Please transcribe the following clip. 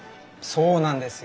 これなんですよ。